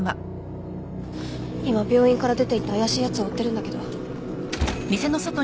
今病院から出ていった怪しいやつを追ってるんだけど。